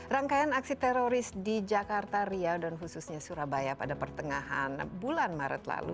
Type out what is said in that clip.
rangkaian aksi teroris di jakarta riau dan khususnya surabaya pada pertengahan bulan maret lalu